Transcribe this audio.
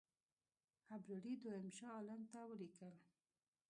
ابدالي دوهم شاه عالم ته ولیکل.